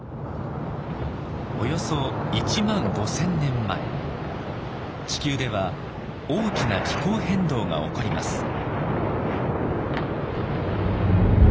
およそ１５０００年前地球では大きな気候変動が起こります。